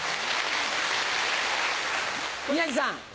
宮治さん。